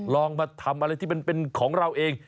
ลองมาทำอะไรที่มันเป็นของเราเอง